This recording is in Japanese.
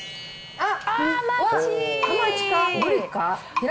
あっ。